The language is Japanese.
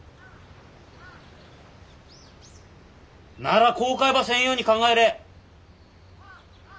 なら後悔ばせんように考えれ。